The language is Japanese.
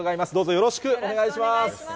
よろしくお願いします。